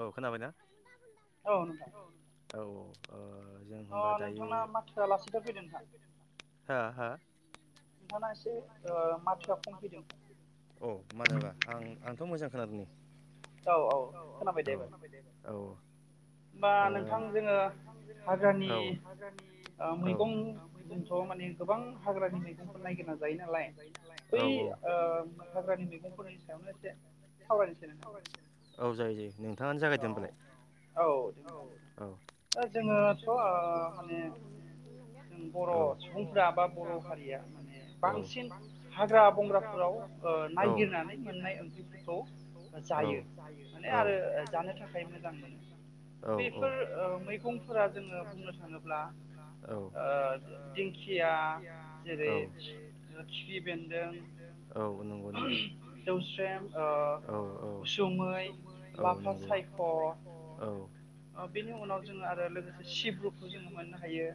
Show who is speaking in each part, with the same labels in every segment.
Speaker 1: औ खोनाबायना
Speaker 2: औ नोंथां
Speaker 1: औ औ ओ जों होनबा
Speaker 2: अ'
Speaker 1: दायो
Speaker 2: नोंथांना माथोआ लासिथार फैदों नोंहा
Speaker 1: हा हा
Speaker 2: [inaudible] [unintelligible] नोंथाना एसे ओ माथोआ खम फैदों
Speaker 1: औ मानोबा आं आंथ' मोजां खोनादों नै
Speaker 2: औ औ खोनाबाय दे
Speaker 1: औ
Speaker 2: एबार
Speaker 1: औ ओ
Speaker 2: बा
Speaker 1: औ
Speaker 2: नोंथां जोङो हाग्रानि
Speaker 1: औ
Speaker 2: ओ मैगं जोंथ' माने गोबां हाग्रानि मैगंफोर नायागिर ना जायो नालाय
Speaker 1: औ
Speaker 2: बै ओ हाग्रानि मैगंफोरनि सायावनो एसे सावरायनोसै नोंथां
Speaker 1: औ जायो जायो नोंथाङानो जागायदो
Speaker 2: औ
Speaker 1: होम्बालाय
Speaker 2: औ दे होनबा
Speaker 1: औ ओ जोंङोथ' ओ
Speaker 2: माने
Speaker 1: [inaudible] औ
Speaker 2: जों
Speaker 1: बर
Speaker 2: सुबुंफोरा
Speaker 1: [unintelligible]
Speaker 2: बा बर'
Speaker 1: [unintelligible]
Speaker 2: हारिया
Speaker 1: [inaudible]
Speaker 2: माने
Speaker 1: औ बांसिन हाग्रा बंग्राफोराव
Speaker 2: ओ
Speaker 1: औ
Speaker 2: नायगिरनानै
Speaker 1: ओ
Speaker 2: मोननाय
Speaker 1: नागिरनानै
Speaker 2: ओंख्रिफोरखौ
Speaker 1: मोननाय [unintelligible]
Speaker 2: जायो
Speaker 1: औ
Speaker 2: माने आरो
Speaker 1: औ
Speaker 2: जानो थाखाय मोजां मोनो बेफोर मैगंफोरा जोङो बुंनो थाङोब्ला
Speaker 1: औ
Speaker 2: ओ दिंखि या जेरै खिफि बेन्दों
Speaker 1: औ नंगौ नंगौ
Speaker 2: जौस्रेम
Speaker 1: औ औ
Speaker 2: उसुमै
Speaker 1: औ
Speaker 2: लाफा
Speaker 1: नंगौ
Speaker 2: सायख'
Speaker 1: औ
Speaker 2: बेनि उनाव जोङो आरो लोगोसे सिब्रुखौ जोङो मोननो हायो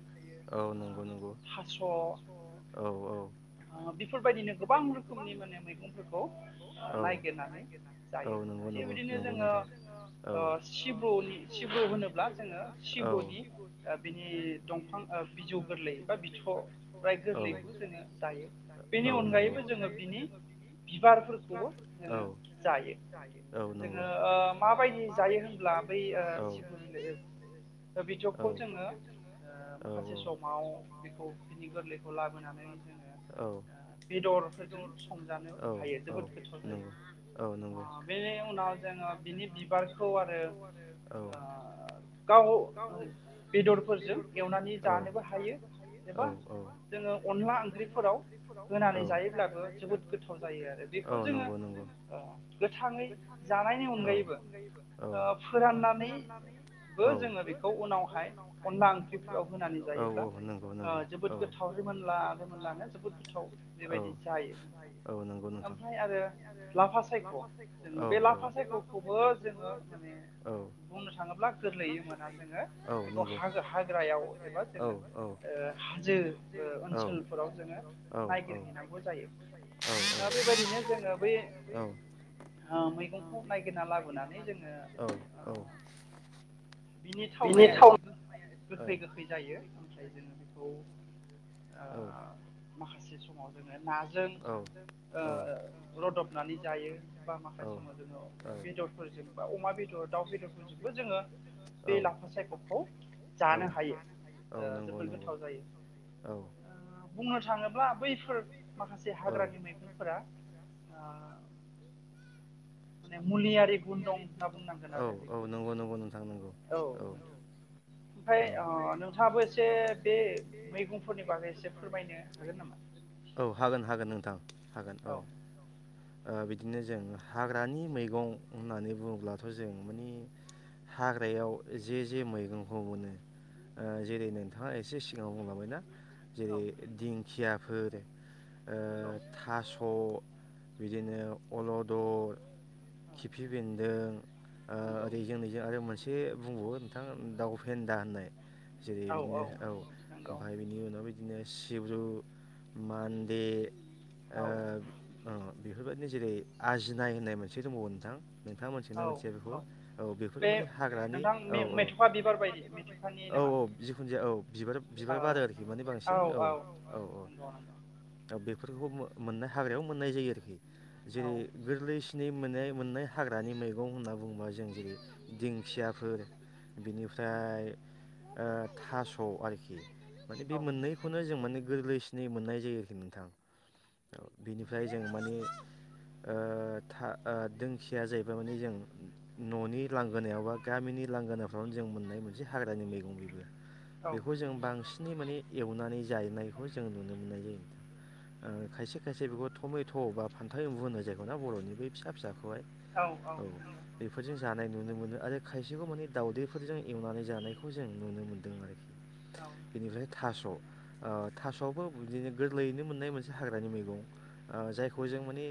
Speaker 1: औ
Speaker 2: ओ
Speaker 1: नंगौ नंगौ
Speaker 2: थास'
Speaker 1: औ औ
Speaker 2: बेफोरबायदिनो गोबां रोखोमनि माने मैगंफोरखौ
Speaker 1: औ
Speaker 2: नायागिरनानै
Speaker 1: औ
Speaker 2: जायो
Speaker 1: नंगौ
Speaker 2: थिग
Speaker 1: नंगौ
Speaker 2: बिदिनो
Speaker 1: नंगौ
Speaker 2: जोङो
Speaker 1: नोंथां औ
Speaker 2: ओ सि ब्र होनोब्ला जोङो
Speaker 1: औ
Speaker 2: सिब्रनि बिनि दंफां बिजौ गोरलै बिथ'राय
Speaker 1: औ
Speaker 2: गोरलैखौ जोङो जायो बेनि
Speaker 1: औ नंगौ
Speaker 2: अनगायैबो जोङो बिनि बिबार फोरखौबो
Speaker 1: औ
Speaker 2: जोङो जायो
Speaker 1: नंगौ औ नंगौ औ नंगौ औ
Speaker 2: जोङो ओ माबायदि जायो होनब्ला बै ओ
Speaker 1: औ
Speaker 2: सिब्र बिलइ ओ बिज'खौ जोङो ओ माखासे समाव बेखौ बिनि गोरलैखौ लाबोनानै जोङो ओ बेदरफोरजों संजानो हायो जोबोद गोथाव जायो ओ बेनि उनाव जोङो बिनि बिबारखौ आरो ओ गाव बेदरफोरजों एवनानै जानोबो हायो एबा
Speaker 1: औ
Speaker 2: जोङो अनला ओंख्रिफोराव
Speaker 1: औ
Speaker 2: होनानै जायोब्लाबो जोबोद
Speaker 1: औ
Speaker 2: गोथाव जायो आरो
Speaker 1: औ
Speaker 2: बेखौ जोङो
Speaker 1: नंगौ नंगौ
Speaker 2: ओ गोथाङै जानायनि अनगायैबो
Speaker 1: औ औ फोराननानै औ जोङो
Speaker 2: फोराननानैबो जोङो
Speaker 1: बेखौ उनावहाय अन
Speaker 2: अनला
Speaker 1: ओंथिफोर
Speaker 2: ओंख्रिफोराव होनानै
Speaker 1: औ
Speaker 2: जायोब्ला
Speaker 1: औ नंगौ नंगौ
Speaker 2: जोबोद
Speaker 1: औ
Speaker 2: गोथाव रिमोनला रिमोनलानो जोबोद गोथाव
Speaker 1: औ
Speaker 2: बेबायदि जायो
Speaker 1: औ नंगौ नोंथां
Speaker 2: ओमफ्राय आरो लाफा सायख' जोङो
Speaker 1: औ
Speaker 2: बे लाफा सायख'खौबो जोङो माने
Speaker 1: औ
Speaker 2: बुंनो थाङोब्ला गोरलैयै मोना जोङो
Speaker 1: औ
Speaker 2: बेखौ
Speaker 1: नंगौ
Speaker 2: हाग्रायाव एबा
Speaker 1: औ
Speaker 2: जोङो ओ हाजो ओ
Speaker 1: औ औ
Speaker 2: ओनसोलफोराव जोङो नायगिरहैनांगौ जायो आ बेबायदिनो जोङो बै आ मैगंखौ नायगिरना
Speaker 1: नायगिरना लाबोनानै
Speaker 2: ओ बिनि थावनाया एसे गोखा गोखै गोखै जायो। ओमफ्राय जोङो बेखौ
Speaker 1: औ।
Speaker 2: माखासे समाव जोङो नाजों ओ लदबनानै जायो बा माखासे समाव जोङो बेदरफोरजों बा अमा बे दाउ बेदरफोरजोंबो जोङो बे लाफा सायख'खौ जानो हायो। ओ
Speaker 1: नंगौ
Speaker 2: जोबोद
Speaker 1: नंगौ
Speaker 2: गोथाव जायो।
Speaker 1: औ
Speaker 2: ओ बुंनो थाङोब्ला बैफोर माखासे
Speaker 1: औ
Speaker 2: हाग्रानि मैगंफोरा ओ माने मुलियारि गुन दं होनना बुंनांगोन
Speaker 1: औ
Speaker 2: आरो
Speaker 1: औ
Speaker 2: बेखौ।
Speaker 1: नंगौ नंगौ नोंथां नंगौ
Speaker 2: औ नोंथां। ओमफ्राय
Speaker 1: औ
Speaker 2: अ नोंथाङाबो एसे बे मैगंफोरनि बागै एसे फोरमायनो हागोन नामा?
Speaker 1: औ हागोन हागोन नोंथां हागोन।
Speaker 2: औ।
Speaker 1: बिदिनो जों हाग्रानि मैगं होननानै बुङोब्लाथ' जों माने हाग्रायाव जे जे मैगंखौ मोनो ओ जेरै नोंथाङा एसे सिगाङाव बुंलांबायना
Speaker 2: औ
Speaker 1: जेरै दिंखियाफोर, ओ
Speaker 2: नंगौ औ
Speaker 1: थास' बिदिनो अल'दर, खिफि बेन्दों ओ
Speaker 2: नंगौ
Speaker 1: ओरै जोंनिजों आरो मोनसे बुंबावो नोंथां दाउ फेन्दा होननाय। जेरै बिदिनो औ
Speaker 2: नंगौ
Speaker 1: ओमफ्राय बिनि उनाव बिदिनो सिब्रु, मान्दे
Speaker 2: औ
Speaker 1: ओ अ बेफोरबायदिनो जेरै आजिनाय होननाय मोनसे दंबावो नोंथां। नोंथाङा मोनथियोना ना मिथिया बेखौ? औ बेफोर
Speaker 2: बे
Speaker 1: माने हाग्रानि
Speaker 2: नोंथां
Speaker 1: औ
Speaker 2: मे-
Speaker 1: औ औ।
Speaker 2: मेथ'खा बिबार बायदि मेथ'खानि
Speaker 1: औ
Speaker 2: नामा
Speaker 1: औ जिखुनु जाया औ बिबार बिबार
Speaker 2: औ
Speaker 1: बारो आरोखि माने बांसिन औ औ औ।
Speaker 2: नंगौ नंगौ
Speaker 1: दा बेफोरखौ मोन-मोननाय हाग्रायाव मोननाय जायो आरोखि। जेरै गोरलैसिन मोननाय मोननाय हाग्रानि मैगं होनना बुङोबा जों जेरै दिंखियाफोर बिनिफ्राय ओ थास' आरोखि। माने बे
Speaker 2: औ नंगौ औ
Speaker 1: मोननैखौनो जों माने गोरलैसिनै मोननाय जायो आरोखि नोंथां। बिनिफ्राय जों माने ओ था ओ दोंखिया जाहैबाय मान जों न'नि लांगोनायाव बा गामिनि लांगोनाफ्रावनो जों मोननाय मोनसे हा हाग्रानि मैगं बेबो।
Speaker 2: औ
Speaker 1: बेखौ जों
Speaker 2: नंगौ
Speaker 1: बांसिनै माने एवनानै जायनायखौ जों नुनो मोननाय जायो नोंथां। ओ खायसे खायसे बेखौ थमेथ' बा फान्थाव एम्बु होननाय जायो आरोना बर'नि बै फिसा फिसाखौहाय
Speaker 2: नंगौ
Speaker 1: औ
Speaker 2: नंगौ नंगौ
Speaker 1: बेफोरजों जानाय नुनो मोनो आरो खायसेखौ माने दावउदैफोरजों एवनानै जानायखौ जों नुनो मोन्दों आरोखि।
Speaker 2: औ
Speaker 1: बेनिफ्राय थास' ओ थास'आबो बिदिनो गोरलैयैनो मोननाय मोनसे हाग्रानि मैगं। ओ जायखौ जों माने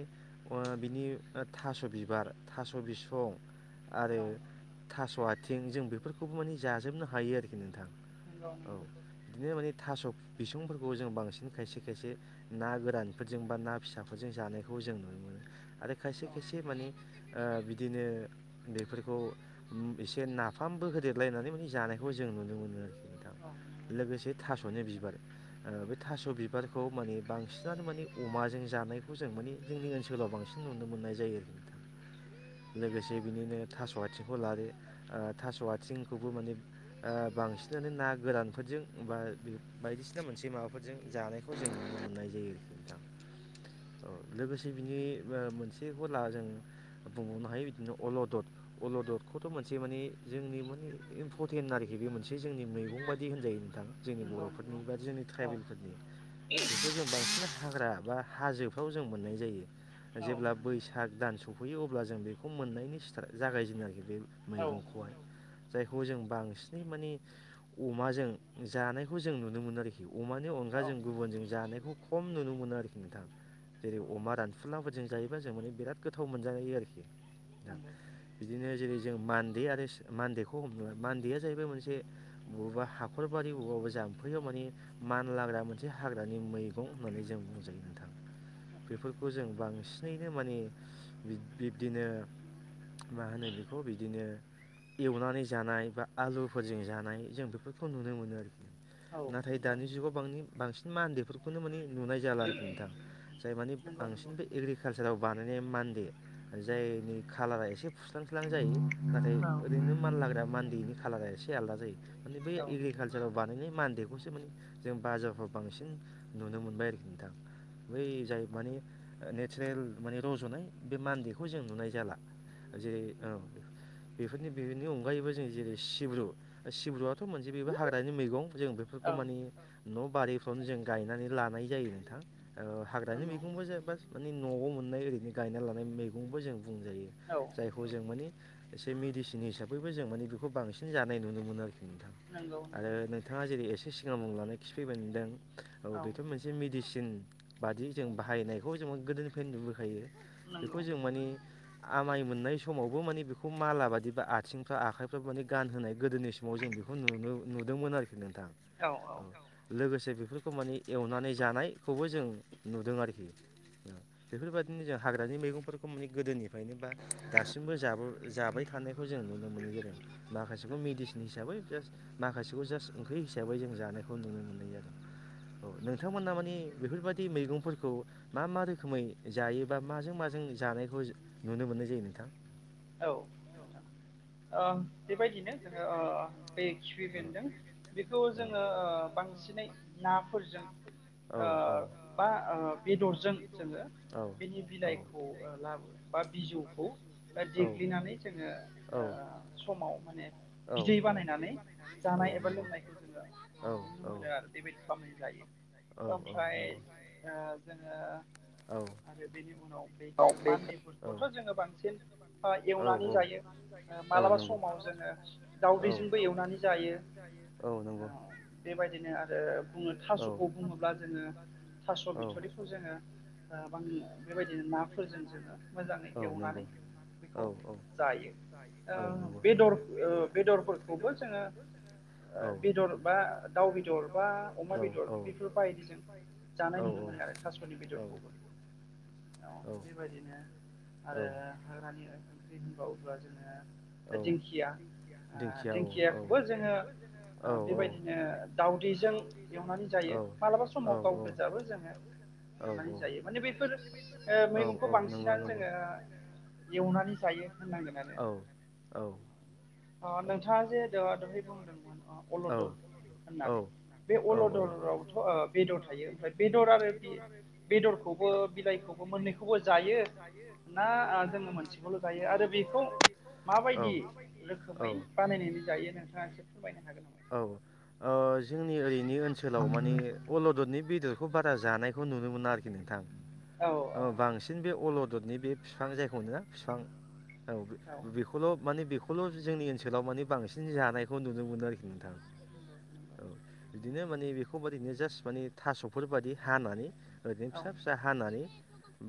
Speaker 1: बिनि थास' बिबार, थास' बिसं आरो
Speaker 2: औ
Speaker 1: थास' आथिं जों बेफोरखौबो माने जाजोबनो हायो आरोखि नोंथां।
Speaker 2: नंगौ नंगौ
Speaker 1: औ
Speaker 2: नंगौ
Speaker 1: बिदिनो माने थास' बिसंफोरखौ जों बांसिन खायसे खायसे ना गोरानफोरजों जों बा ना फिसाफोरजों जानायखौ जों नुनो मोनो आरो खायसे खायसे माने ओ बिदिनो बेफोरखौ एसे नाफामबो होदेरलाय नानै माने जानायखौ जों नुनो मोनो आरोखि नोंथां। लोगोसे थास'नि बिबार ओ बे थास' बिबारखौ माने बांसिनानो माने अमाजों जानायखौ जों माने जोंनि ओनसोलाव बांसिन नुनो मोननाय जायो आरोखि नोंथां। लोगोसे बिनिनो थास' आथिंखौ लादो ओ थास' आथिंखौबो माने ओ बांसिनानो ना गोरानफोरजों बा बायदिसिना मोनसे माबाफोरजों जानायखौ जों नुनो मोननाय जायो आरोखि नोंथां। औ लोगोसे बिनि ओ मोनसे खौ ला जों बुंबावनो हायो बिदिनो अलदद अलददखौथ' मोनसे माने जोंनि माने इम्परटेन्ट आरोखि बे मोनसे जोंनि मैगं बायदि होनजायो नोंथां। जोंनि बर'फोरनि बा जोंनि
Speaker 2: औ
Speaker 1: ट्राइबेलफोरनि बेखौ जों बांसिन हाग्रा बा हाजोफ्राव जों मोननाय जायो
Speaker 2: औ
Speaker 1: जेब्ला
Speaker 2: नंगौ
Speaker 1: बैसाग दान सफैयो अब्ला जों बेखौ मोननायनि स्टार जागायजेदों आरोखि बे
Speaker 2: औ
Speaker 1: मैगंखौ
Speaker 2: नंगौ
Speaker 1: [unintelligible] जायखौ जों बांसिनै माने अमाजों जानायखौ जों नुनो मोनो आरोखि अमानि
Speaker 2: औ
Speaker 1: अनगाजों गुबुनजों जानायखौ खम नुनो मोनो आरोखि नोंथां जेरै अमा रानफुलाफोरजों जाय जों माने बिराद गोथाव मोनजायो आरोखि। नोंथां
Speaker 2: [unintelligible]
Speaker 1: बिदिनो जेरै जों मान्दे आरो मान्देखौ हमनो मान्देया जाहैबाय मोनसे बबेबा हाखर खरबारि अबावबा जाम्फैयाव माने मानलाग्रा मोनसे हाग्रानि मैगं होननानै जों बुंजायो नोंथां। बेफोरखौ जों बांसिनैनो माने बिब बिब्दिनो मा होनो बेखौ बिदिनो एवनानै जानाय बा आलुफोरजों जानाय जों बेफोरखौ नुनो मोनो आरोखि नाथाय दानि जुगाआव बांनि बांसिन मा उन्दैफोरखौनो माने नुनाय जाला आरोखि नोंथां जाय माने
Speaker 2: नंगौ नंगौ
Speaker 1: बांसिन बे
Speaker 2: औ
Speaker 1: एग्रिक बोसोराव बानायनाय मान्डे जायनि खाालारा एसे फुस्लांस्लां जायो नाथाय ओरैनो मानलाग्रा मान्देनि खालारा एसे आलादा जायो माने बै
Speaker 2: औ नंगौ
Speaker 1: एग्रिकाल्सारआव बानायनाय मान्देखौसो नों बाजारफ्राव बांसिन नुनो मोनबाय आरोखि नोंथां बै जाय माने लेट स्रेल माने रज'नाय बे मान्देखौ जों नुनाय जाला जे ओ बेफोरनि बेनि अनगायैबो जों जेरै सिब्रु सिब्रुआथ' मोनसे बेबो हाग्रानि मैगं जों बेफोरखौ
Speaker 2: औ
Speaker 1: माने न बारिफ्रावनो जों गायनानै लानाय जायो नोंथां हाग्रानि
Speaker 2: नंगौ
Speaker 1: मैगंबो जेबा मानि नआव मोननाय ओरैनो गायना लानाय मैगंबो जों बुंजायो
Speaker 2: औ
Speaker 1: जायखौ जों माने एसे मेडिसिन हिसाबैबो जों माने बेखौ बांसिन जानाय नुनो मोनो आरोखि नोंथां
Speaker 2: नंगौ
Speaker 1: आरो बिथाङा जेरै एसे सिगांआव लानाय खिफैबदों औ बेथ मोनसे मेडिसि सिन बादि जों बाहायनायखौ जों गोदोनिफ्रायनो नुबोखायो बेखौ जों माने आमाय मोननाय समावबो माने बेखौ माला बादिबा आथिंफ्रा आखाइफ्रा माने गानहोनाय गोदोनि स [unintelligible] जों बेखौ नुनो नुदोंमोन आरोखि नोंथां औ लोगोसे बेफोर खौ माने एवनानै जानायखौबो जों नुदों आरोखि
Speaker 2: [inaudible]
Speaker 1: बेफोरबादिनो जों हाग्रानि मैगंफोरखौ माने गोदोनिफ्रायनो बा दासिमबो जाबो जाबाय थानायखौ जों नुनो मो [unintelligible] जादों माखासेखौ मिदिसिन हिसाबै जास्ट माखासेखौ जास्ट ओंख्रि हिसाबै जों जानाय खौ नुनो मोननाय जादों औ नोंथांमोना मानि बेफोरबायदि मेगंफोरखौ मा मा रोखोमै जायोबा माजों माजों जानायखौ नुनो मोननाय जायो नोंथां?
Speaker 2: औ ओ बेबायदिनो जोङो ओ बे खिफि
Speaker 1: औ
Speaker 2: बेन्दों बेखौ जोङो ओ बांसिनै नाफोरजों
Speaker 1: औ
Speaker 2: ओ बा ओ बेदरजों जोङो
Speaker 1: औ
Speaker 2: बेनि
Speaker 1: औ
Speaker 2: बिलाइखौ लाबो बा बिजौखौ
Speaker 1: औ
Speaker 2: देग्लिनानै जोङो ओ समाव माने
Speaker 1: औ
Speaker 2: बिदै
Speaker 1: औ
Speaker 2: बानायनानै
Speaker 1: औ
Speaker 2: जानाय एबा
Speaker 1: नंगौ
Speaker 2: लोंनायखौ जोङो
Speaker 1: औ
Speaker 2: नुनो
Speaker 1: औ
Speaker 2: मोनो आरो बेबायदि खालामनानै जायो।
Speaker 1: औ
Speaker 2: ओमफ्राय
Speaker 1: नंगौ
Speaker 2: ओ जोङो
Speaker 1: औ
Speaker 2: आरो बेनि उनाव बेफोरो
Speaker 1: औ
Speaker 2: मानदेफोरखौथ' जोङो बांसिन ओ
Speaker 1: औ
Speaker 2: एवनानै जायो ओ
Speaker 1: औ
Speaker 2: मालाबा
Speaker 1: नंगौ
Speaker 2: समाव जोङो
Speaker 1: औ
Speaker 2: दाउदैजोंबो एवनानै जायो
Speaker 1: औ नंगौ
Speaker 2: बेबायदिनो आरो बुङो
Speaker 1: औ
Speaker 2: थासखौ बुङोब्ला जोङो
Speaker 1: नंगौ
Speaker 2: थास' बिथरिखौ जोङो ओ
Speaker 1: औ
Speaker 2: बां बेबायदिनो ना फोरजों जोङो मोजाङै
Speaker 1: औ
Speaker 2: एवनानै
Speaker 1: नंगौ
Speaker 2: बेखौ
Speaker 1: औ औ
Speaker 2: जायो ओ
Speaker 1: औ
Speaker 2: बेदर ओ बेदरफोरखौबो जोङो बेदर बा दाउ दउ बेदर बा अमा बेदर बेफोर बायदि जों जानाय नुनो मोनो आरो थास'नि
Speaker 1: औ
Speaker 2: बेदरखौबो। [inaudible] औ बेबायदिनो
Speaker 1: औ
Speaker 2: आरो हाग्रानि ओंख्रि होनबावोब्ला जोङो
Speaker 1: औ
Speaker 2: दिंखिया ओ
Speaker 1: दिंखिया औ
Speaker 2: दिंखियाखौबो जोङो
Speaker 1: औ
Speaker 2: ओ
Speaker 1: औ
Speaker 2: बेबायदिनो दाउदैजों एवनानै
Speaker 1: औ
Speaker 2: जायो। मालाबा
Speaker 1: औ
Speaker 2: समाव गाव गोजाबो जोङो
Speaker 1: औ
Speaker 2: एवनानै जायो। माने बेफोर मैगंखौ
Speaker 1: औ नंगौ
Speaker 2: बांसिनानो
Speaker 1: नंगौ
Speaker 2: जोङो एवनानै जायो होननांगोन आरो।
Speaker 1: औ औ।
Speaker 2: अ नोंथाङा जे द-दहाय बुंदोंमोन अलद होननानै बे अलदरावथ' ओ बेदर थायो ओमफ्राय बेदर आरो बेदरखौबो बिलाइखौ बो मोननैखौबो जायो ना ओ जों मोनसेखौल' जायो। आरो बेखौ माबो
Speaker 1: औ औ
Speaker 2: रोखोमै
Speaker 1: औ
Speaker 2: बानायनानै जायो नोंथाङा एसे फोरमायनो हागोन नामा?
Speaker 1: औ ओ जोंनि ओइनि ओनसोलाव मानि अलददनि बेदरखौ बारा जानायखौ नुनो मोना आरोखि नोंथां। औ बांसिन बे अलददनि बे बिफां जाय मोनो बिफां औ बे-बेखौ माने बेखौल' जोंनि ओनसोलाव माने बांसिन जानायखौ नुनो मोनो आरोखि नोंथां। औ बिदिनो माने बेखौ बादिनो जास्ट माने थास'फोर बादि हानानै ओरैनो
Speaker 2: औ
Speaker 1: फिसा फिसा हानानै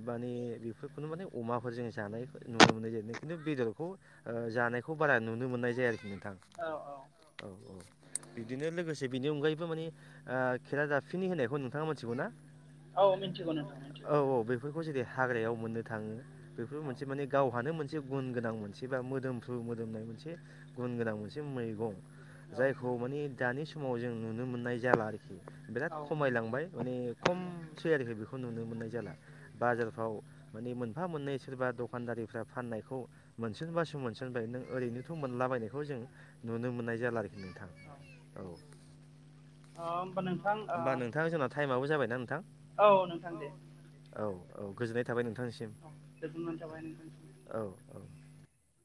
Speaker 1: माने बेफोरखौनो माने अमाफोर जों जानायखौ नुनो मोननाय जायो। खिन्थु बेदरखौ ओ जानायखौ बारा नुनो मोननाय जाया आरोखि नोंथां।
Speaker 2: औ
Speaker 1: औ औ। बिदिनो लोगोसे बिनि अनगायैबो मानि ओ खेरादाफिनि होननायखौ नोंथाङा मोनथिगौ ना?
Speaker 2: औ मिथिगौ नोंथां
Speaker 1: औ
Speaker 2: मिथिगौ
Speaker 1: औ बेफोरखौ जेरै हाग्रायाव मोननो थाङो बेफोरबो
Speaker 2: औ
Speaker 1: मोनसे माने गावहानो मोनसे गुन गोनां मोन एबा मोदोमफ्रु मोदोमनाय मोनसे गुन गोनां मोनसे मैगं।
Speaker 2: औ
Speaker 1: जायखौ
Speaker 2: नंगौ
Speaker 1: मानि दानि समाव जों नुनो मोननाय जाला आरोखि। बिराद
Speaker 2: नंगौ
Speaker 1: खमायलांबाय माने खमसै आरोखि बेखौ नुनो मोननाय जाला।
Speaker 2: औ
Speaker 1: बाजारफ्राव माने मोनफा मोननै सोरबा दखानदारि रिफ्रा फाननायखौ मोनस'नबासो मोनस'नबाय नों ओरैनोथ' मोनलाबायनायखौ जों नुनो मोननाय जाला आरोखि नोंथां। औ।
Speaker 2: अ होमबा नोंथां
Speaker 1: होमबा नोंथां जोंना टाइमाबो जाबायना नोंथां।
Speaker 2: ओ औ नोंथां दे
Speaker 1: औ। औ गोजोननाय थाबाय नोंथांनिसिम
Speaker 2: औ गोजोननाय थाबाय नोंथांसिम
Speaker 1: औ औ।